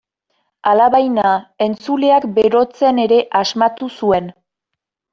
Alabaina, entzuleak berotzen ere asmatu zuen.